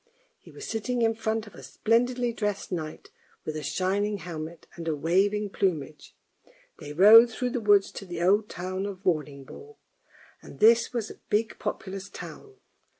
He was sitting in front of a splendidly dressed knight with a shining helmet and a waving plume. They rode through the woods to the old town of Vordingborg, 1 and this was a big and populous town.